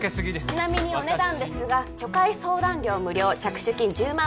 ちなみにお値段ですが初回相談料無料着手金１０万